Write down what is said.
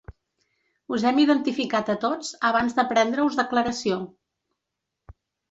Us hem identificat a tots abans de prendre-us declaració.